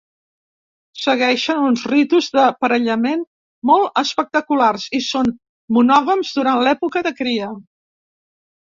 Segueixen uns ritus d'aparellament molt espectaculars i són monògams durant l'època de cria.